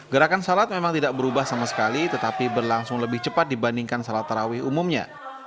gerakan salat memang tidak berubah sama sekali tetapi berlangsung lebih cepat dibandingkan sholat tarawih umumnya